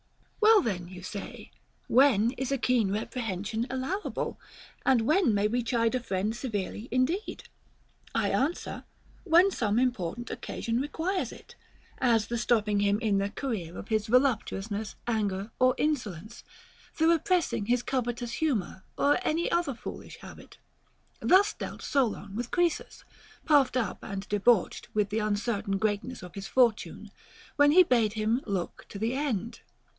f 29. Well then, you say, when is a keen reprehen sion allowable, and when may we chide a friend severely indeed ? I answer, when some important occasion requires it, as the stopping him in the career of his voluptuousness, anger, or insolence, the repressing his covetous humor or * See Demosth. 01. II p. 24, 3. t See II. IX. 108. vm. it *0 146 HOW TO KNOW A FLATTERER any other foolish habit. Thus dealt Solon with Croesus, puffed up and debauched with the uncertain greatness of his fortune, when he bade him look to the end.